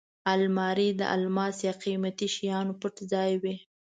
الماري د الماس یا قېمتي شیانو پټ ځای وي